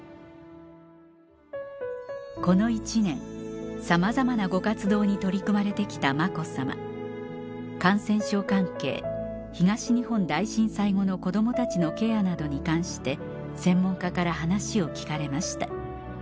この一年さまざまなご活動に取り組まれて来た子さま感染症関係東日本大震災後の子供たちのケアなどに関して専門家から話を聞かれました